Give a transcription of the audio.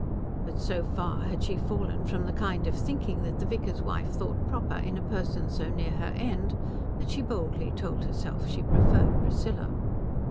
But so far had she fallen from the kind of thinking that the vicar's wife thought proper in a person so near her end that she boldly told herself she preferred Priscilla.